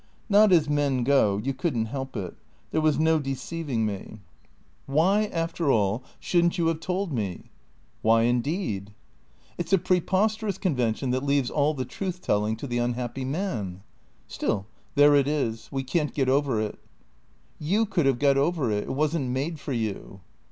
" Not as men go. You could n't help it. There was no de ceiving me." 474 THECEEATOES " Why, after all, should n't you have told me ?"" Why indeed ?"" It 's a preposterous convention that leaves all the truth telling to the unhappy man/' " Still — there it is. We can't get over it." " You could have got over it. It was n't made for you."